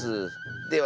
では